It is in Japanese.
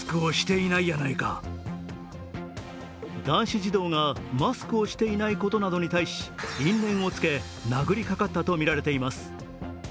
男子児童がマスクをしていないことなどに対し、因縁をつけ、殴りかかったとみられています。